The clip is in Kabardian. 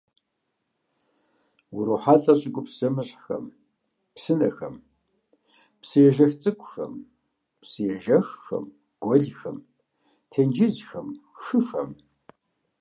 УрохьэлӀэ щӀыгупс зэмыщхьхэм: псынэхэм, псыежэх цӀыкӀухэм, псыежэххэм, гуэлхэм, тенджызхэм, хыхэм.